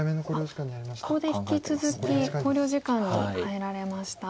ここで引き続き考慮時間に入られました。